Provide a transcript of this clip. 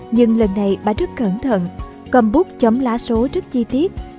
nhưng lần này bà rất cẩn thận cầm bút chấm lá số rất chi tiết